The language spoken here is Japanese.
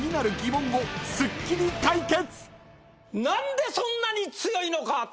なんでそんなに強いのか！？